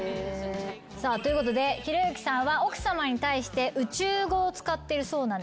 ということでひろゆきさんは奥さまに対して宇宙語を使ってるそうなんですけども。